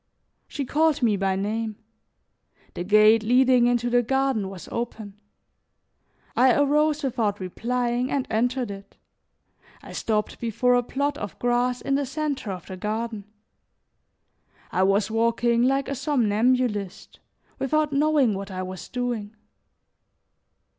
She called me by name. The gate leading into the garden was open; I arose without replying and entered it, I stopped before a plot of grass in the center of the garden; I was walking like a somnambulist, without knowing what I was doing.